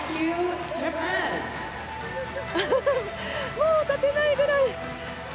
もう、立てないぐらいだね